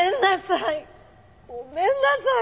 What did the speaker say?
ごめんなさい！